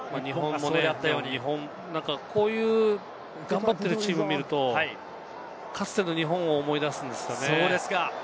こういう頑張っているチームを見るとかつての日本を思い出すんですよね。